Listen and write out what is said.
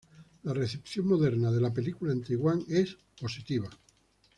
La recepción moderna de la película en Taiwán es positiva.